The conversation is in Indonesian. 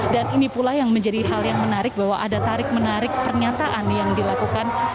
dan ini pula yang menjadi hal yang menarik bahwa ada tarik menarik pernyataan yang dilakukan